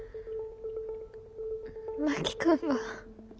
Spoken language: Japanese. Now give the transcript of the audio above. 真木君が。